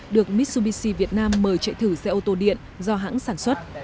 được mitsubishi việt nam mời chạy thử xe ô tô điện do hãng sản xuất